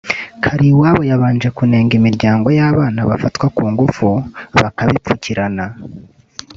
Kaliwabo yabanje kunenga imiryango y’abana bafatwa ku ngufu bakabipfukirana